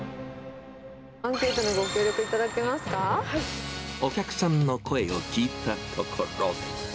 アンケートにご協力いただけお客さんの声を聞いたところ。